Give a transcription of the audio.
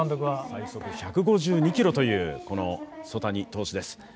最速１５２キロという曽谷投手です